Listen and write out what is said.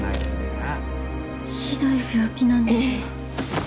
ひどい病気なんでしょ？